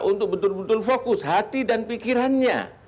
untuk betul betul fokus hati dan pikirannya